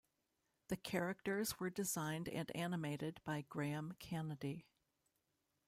The characters were designed and animated by Graham Kennedy.